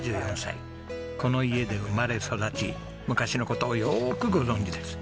この家で生まれ育ち昔の事をよくご存じです。